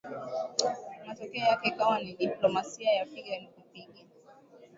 Matokeo yake ikawa ni diplomasia ya piga nikupige